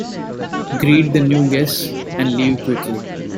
Greet the new guests and leave quickly.